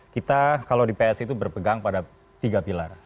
kita kalau di psi itu berpegang pada tiga pilar